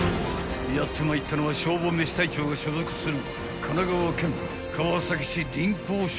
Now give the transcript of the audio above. ［やってまいったのは消防めし隊長が所属する］